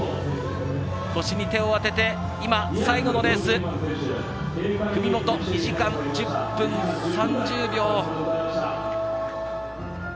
腰に手を当てて今、最後のレース文元、２時間１０分３０秒。